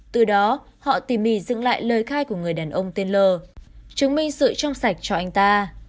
từ đó họ tỉ mỉ dựng lại lời khai của người đàn ông tên lờ chứng minh sự trong sạch cho anh ta